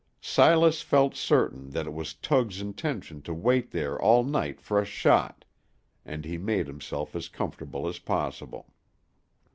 Silas felt certain that it was Tug's intention to wait there all night for a shot, and he made himself as comfortable as possible.